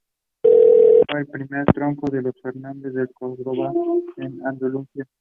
Fue el primer tronco de los Fernández de Córdoba en Andalucía.